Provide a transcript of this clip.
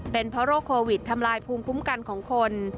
เป็นเพราะโรคโควิดทำลายภูมิคุ้มกันของคน